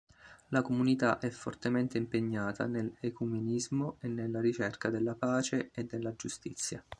La comunità è fortemente impegnata nell'ecumenismo e nella ricerca della pace e della giustizia.